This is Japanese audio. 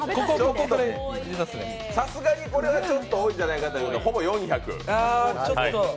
さすがにこれはちょっと多いんじゃないかということで、ほぼ４００。